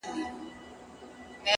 په يوه جـادو دي زمـــوږ زړونه خپل كړي-